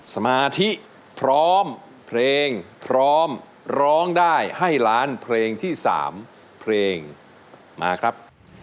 สมาธิพร้อมเพลงพร้อมร้องได้ให้ล้านเพลงที่๓เพลงมาครับ